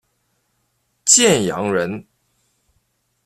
建阳人。